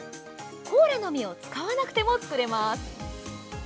コーラの実を使わなくても作れます。